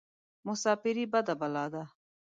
مساپرى بده بلا ده.